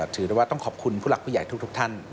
ถือได้ว่าต้องขอบคุณผู้หลักผู้ใหญ่ทุกท่าน